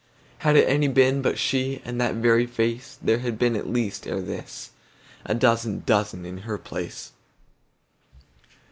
Had it any been but she, And that very face, There had been at least ere thisA dozen dozen in her place.